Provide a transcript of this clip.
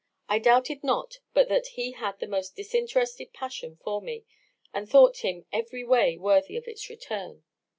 I doubted not but that he had the most disinterested passion for me, and thought him every way worthy of its return.